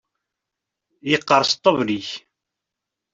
Yeqqers ṭṭbel-ik!